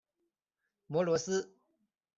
摩罗斯。